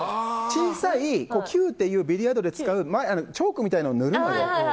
小さい、キューっていうビリヤードで使うチョークみたいなのを塗るのよ。